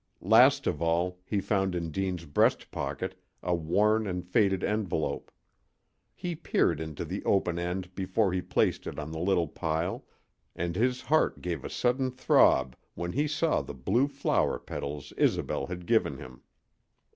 Last of all he found in Deane's breast pocket a worn and faded envelope. He peered into the open end before he placed it on the little pile, and his heart gave a sudden throb when he saw the blue flower petals Isobel had given him.